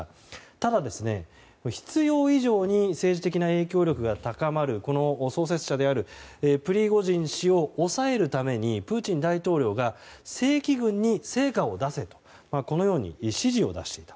ただ、必要以上に政治的な影響力が高まるこの創設者であるプリゴジン氏を抑えるためにプーチン大統領が正規軍に戦果を出せとこのように指示を出していた。